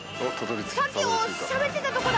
さっきしゃべってたとこだ！